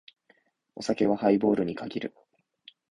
お酒はハイボールに限る。